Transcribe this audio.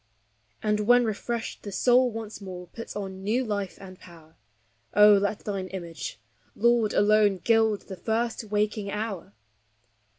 And when refreshed the soul once more puts on new life and power; Oh, let thine image, Lord, alone, gild the first waking hour!